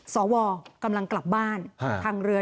สวกำลังกลับบ้านทางเรือ